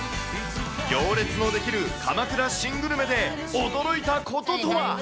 行列の出来る鎌倉新グルメで驚いたこととは。